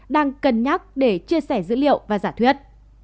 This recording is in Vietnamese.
đang cân nhắc để chia sẻ dữ liệu và giả thuyết